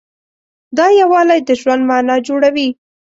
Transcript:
دا یووالی د ژوند معنی جوړوي.